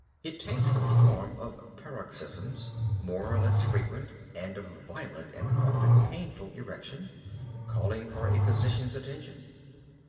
It takes the form of paroxysms, more or less frequent, and of violent and often painful erection, calling for a physician's attention.